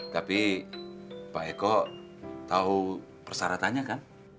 tapi pak eko tau persaratannya kan